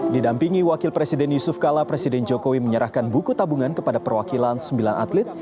didampingi wakil presiden yusuf kala presiden jokowi menyerahkan buku tabungan kepada perwakilan sembilan atlet